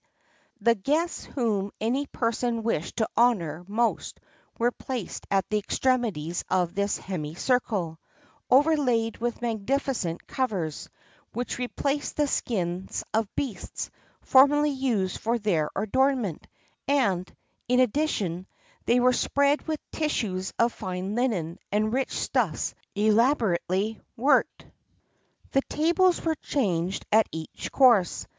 [XXXII 21] The guests whom any person wished to honour most were placed at the extremities of this hemicycle,[XXXII 22] overlaid with magnificent covers, which replaced the skins of beasts, formerly used for their adornment; and, in addition, they were spread with tissues of fine linen and rich stuffs elaborately worked.[XXXII 23] The tables were changed at each course.